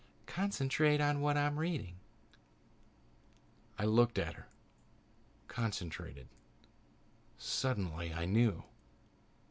Concentrate on what I'm reading." I looked at her. I concentrated. Suddenly, I knew.